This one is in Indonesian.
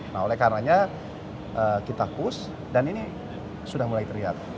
nah oleh karanya kita push dan ini sudah mulai terlihat